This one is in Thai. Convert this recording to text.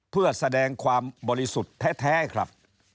เพื่อแสดงความบริสุทธิ์แท้ครับ